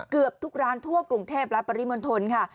เกือบทุกร้านทั่วกรุงเทพและปริมณฑลค่ะ